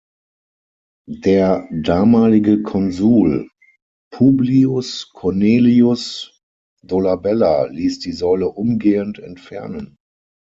Der damalige Konsul Publius Cornelius Dolabella ließ die Säule umgehend entfernen.